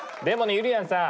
ゆりやんさん！